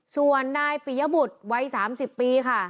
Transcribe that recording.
ส่วนนายปิยบุตรวัย๓๐ปีค่ะ